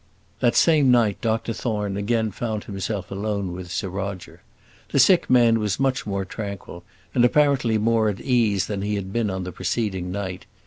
That same night Dr Thorne again found himself alone with Sir Roger. The sick man was much more tranquil, and apparently more at ease than he had been on the preceding night.